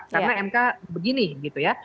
karena mk begini gitu ya